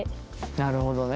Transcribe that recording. なるほどね。